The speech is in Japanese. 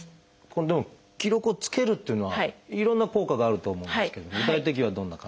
でも記録をつけるっていうのはいろんな効果があると思うんですけど具体的にはどんな感じでしょう？